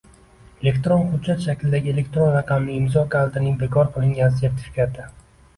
Elektron hujjat shaklidagi elektron raqamli imzo kalitining bekor qilingan sertifikati